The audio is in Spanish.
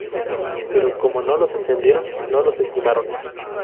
Pero como no los entendieron, no los estimaron.